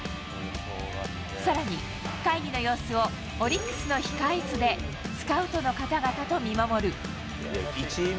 さらに、会議の様子をオリックスの控え室でスカウトの方々と見守る。